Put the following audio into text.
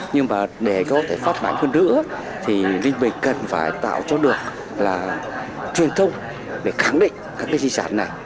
nhưng mà để có thể phát bản quân rữ thì ninh bình cần phải tạo cho được là truyền thông để khẳng định các di sản này